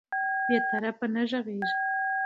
بې طرفانه نه غږیږي